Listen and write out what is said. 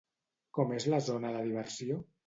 Com és la zona de diversió?